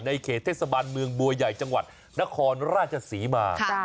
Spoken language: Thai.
เขตเทศบาลเมืองบัวใหญ่จังหวัดนครราชศรีมา